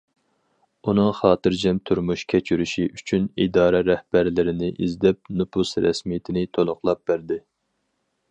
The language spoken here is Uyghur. ئۇنىڭ خاتىرجەم تۇرمۇش كەچۈرۈشى ئۈچۈن، ئىدارە رەھبەرلىرىنى ئىزدەپ، نوپۇس رەسمىيىتىنى تولۇقلاپ بەردى.